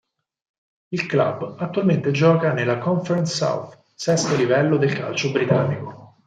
Il club attualmente gioca nella Conference South, sesto livello del calcio britannico.